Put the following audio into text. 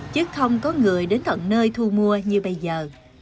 chứ không có người đến tận nơi thu mua như bây giờ